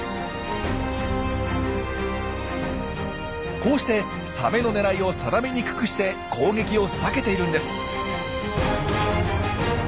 こうしてサメの狙いを定めにくくして攻撃を避けているんです。